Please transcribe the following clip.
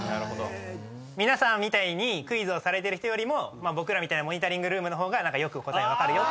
皆さんみたいにクイズをされている人よりも僕らみたいなモニタリングルームの方がよく答え分かるよっていう。